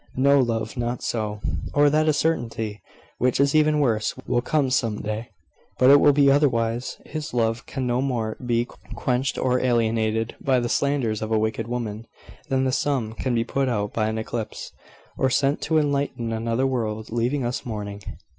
"No, love; not so." "Or that a certainty which is even worse will come some day. But it will be otherwise. His love can no more be quenched or alienated by the slanders of a wicked woman, than the sun can be put out by an eclipse, or sent to enlighten another world, leaving us mourning."